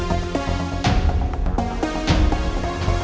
aku mau berurusan